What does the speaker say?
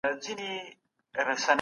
که ته مرسته وکړي نو زه به ستا منندوی یم.